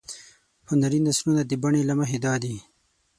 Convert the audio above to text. هنري نثرونه د بڼې له مخې دادي.